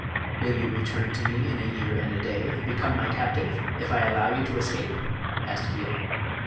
"Will you return to me in a year and a day and become my captive, if I allow you to escape?" asked Keo.